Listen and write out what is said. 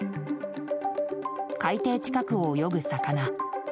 海底近くを泳ぐ魚。